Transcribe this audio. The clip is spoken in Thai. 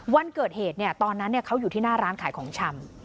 วันเกิดเหตุตอนนั้นเขาอยู่ที่หน้าร้านขายของชำ